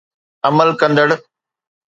عمل ڪندڙ